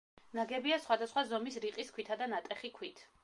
ნაგებია სხვადასხვა ზომის, რიყის ქვითა და ნატეხი ქვით.